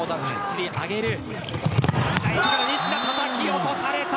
西田、たたき落とされた。